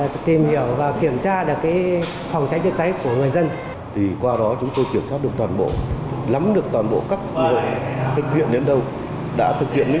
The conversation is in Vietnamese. đội cảnh sát phòng cháy chữa cháy của các hộ dân đã được gửi về đội cảnh sát phòng cháy chữa cháy của các hộ dân